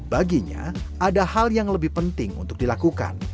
baginya ada hal yang lebih penting untuk dilakukan